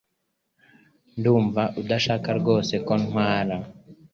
Ndumva udashaka rwose ko ntwara